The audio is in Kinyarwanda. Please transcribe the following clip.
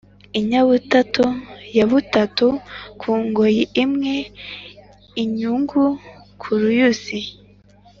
Inyabutatu ya butanu ku ngoyi imwe.-Imyungu ku ruyuzi.